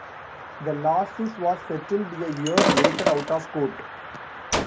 The lawsuit was settled a year later out of court.